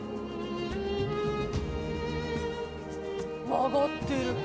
曲がってる！